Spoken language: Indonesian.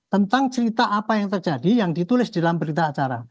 tentang cerita apa yang terjadi yang ditulis dalam berita acara